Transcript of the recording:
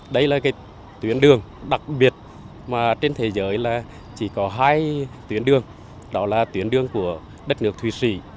đây là cái tuyến đường đặc biệt mà trên thế giới là chỉ có hai tuyến đường đó là tuyến đường của đất nước thùy sĩ